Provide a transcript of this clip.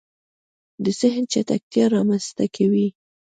د زهن چټکتیا رامنځته کوي